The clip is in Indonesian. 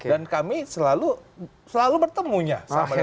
dan kami selalu bertemunya